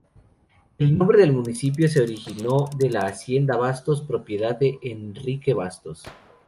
El nombre del municipio se originó de la Hacienda Bastos, propiedad de Henrique Bastos.